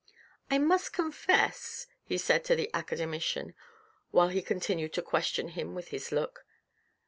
" I must confess ..." he said to the academician while he ontinued to question hi m with his look.